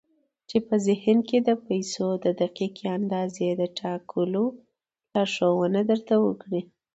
چې په ذهن کې د پيسو د دقيقې اندازې د ټاکلو لارښوونه درته کوي.